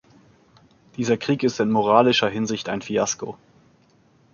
Dieser Krieg ist in moralischer Hinsicht ein Fiasko.